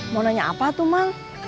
mau nanya apa tuh mang